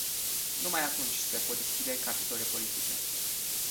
Numai atunci se pot deschide capitole politice.